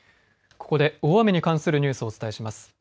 ここで大雨に関するニュースをお伝えします。